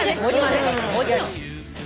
もちろん！